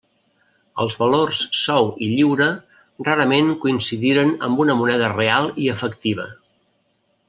Els valors sou i lliura rarament coincidiren amb una moneda real i efectiva.